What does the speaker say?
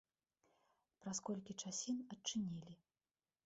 Праз колькі часін адчынілі.